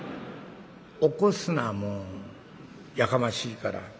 「起こすなもう。やかましいから」。